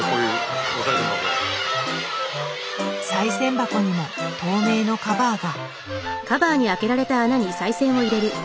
賽銭箱にも透明のカバーが。